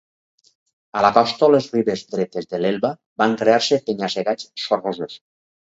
A la costa o a les ribes dretes de l'Elba van crear-se penya-segats sorrosos.